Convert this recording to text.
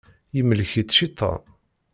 Yemlek-itt cciṭan.